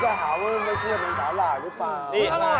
เดี๋ยวก็หาว่าไม่เชื่อเป็นสาหร่ายหรือเปล่า